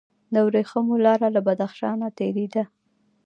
د ورېښمو لاره له بدخشان تیریده